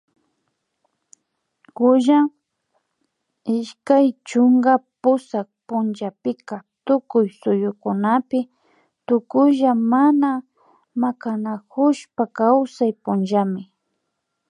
kulla ishkay chunka pusak punllapika tukuy suyukunapi tukuylla mana makanakushpa kawsay punllami